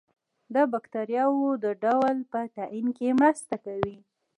د باکتریاوو د ډول په تعین کې مرسته کوي.